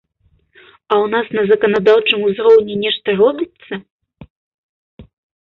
А ў нас на заканадаўчым узроўні нешта робіцца?